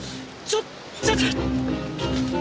ちょっと！